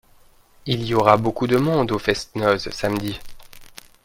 Il y aura beaucoup de monde au fest-noz samedi.